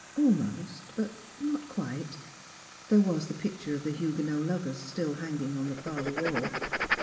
— Almost, but not quite; there was the picture of the Huguenot Lovers still hanging on the parlor wall.